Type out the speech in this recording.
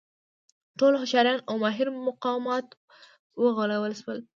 ټول هوښیار او ماهر مقامات وغولول شول.